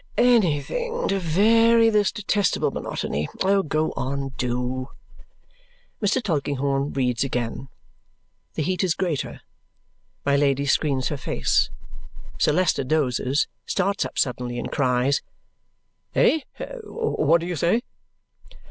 "Anything to vary this detestable monotony. Oh, go on, do!" Mr. Tulkinghorn reads again. The heat is greater; my Lady screens her face. Sir Leicester dozes, starts up suddenly, and cries, "Eh? What do you say?"